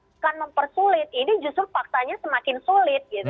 bukan mempersulit ini justru paksanya semakin sulit